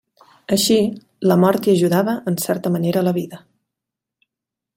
Així, la mort hi ajudava en certa manera la vida.